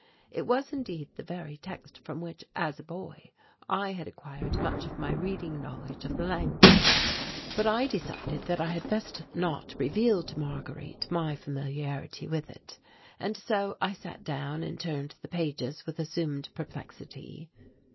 It was indeed the very text from which as a boy I had acquired much of my reading knowledge of the language. But I decided that I had best not reveal to Marguerite my familiarity with it, and so I sat down and turned the pages with assumed perplexity.